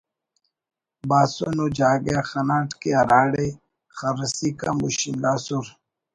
باسن ءُ جاگہ خناٹ کہ ہراڑے خرسیک ہم ہشنگاسر